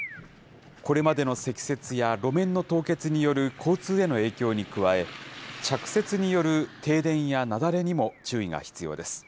これまでの積雪や路面の凍結による交通への影響に加え、着雪による停電や雪崩にも注意が必要です。